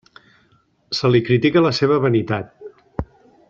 Se li critica la seva vanitat.